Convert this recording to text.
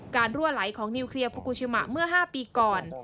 รั่วไหลของนิวเคลียร์ฟูกูชิมะเมื่อ๕ปีก่อน